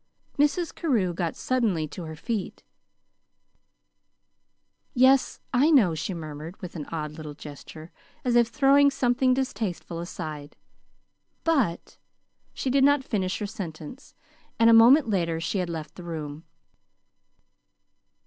Mrs. Carew got suddenly to her feet. "Yes, I know," she murmured, with an odd little gesture, as if throwing something distasteful aside. "But " She did not finish her sentence, and a moment later she had left the room.